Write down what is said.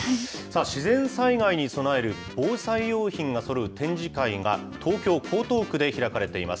自然災害に備える防災用品がそろう展示会が、東京・江東区で開かれています。